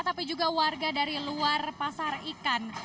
tapi juga warga dari luar pasar ikan